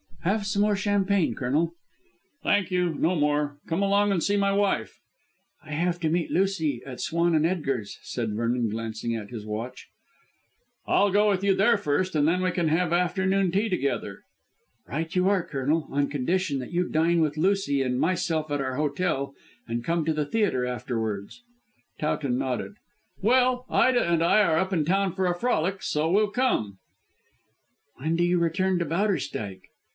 "Have some more champagne, Colonel?" "Thank you, no more. Come along and see my wife." "I have to meet Lucy at Swan & Edgar's," said Vernon glancing at his watch. "I'll go with you there first and then we can have afternoon tea together." "Right you are, Colonel, on condition that you dine with Lucy and myself at our hotel and come to the theatre afterwards." Towton nodded. "Well, Ida and I are up in town for a frolic, so we'll come." "When do you return to Bowderstyke?"